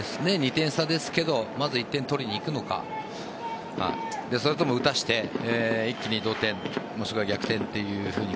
２点差ですがまず１点取りにいくのかそれとも打たせて一気に同点もしくは逆転というふうに